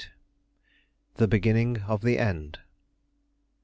THE BEGINNING OF THE END.